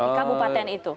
di kabupaten itu